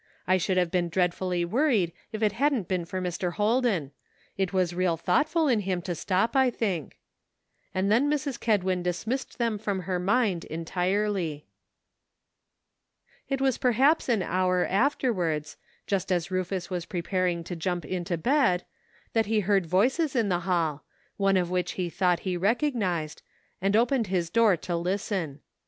I should have been dreadfully worried if it hadn't been for Mr. Holden. It was real thoughtful in him to stop, I think," and then Mrs. Kedwin dismissed them from her mind entirely. Jt was perhaps an hour afterwards, just as Rufus was preparing to jump into bed, that he heard voices in the hall, one of which he thought he recognized, and opened his door to listen.